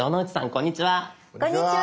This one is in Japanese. こんにちは。